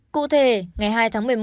cụ thể ngày hai tháng một mươi một